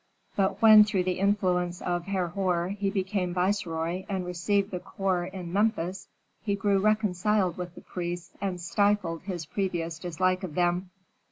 But when through the influence of Herhor he became viceroy and received the corps in Memphis, he grew reconciled with the priests and stifled his previous dislike of them.